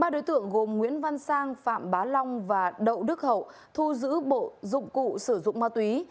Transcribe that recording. ba đối tượng gồm nguyễn văn sang phạm bá long và đậu đức hậu thu giữ bộ dụng cụ sử dụng ma túy